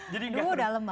jadi gak harus